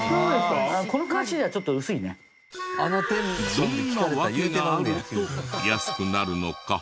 どんな訳があると安くなるのか？